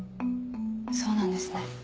そうなんですね。